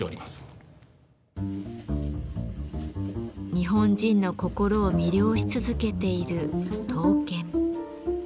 日本人の心を魅了し続けている刀剣。